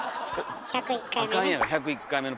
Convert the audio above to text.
「１０１回目」ね。